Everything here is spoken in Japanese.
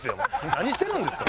何してるんですか！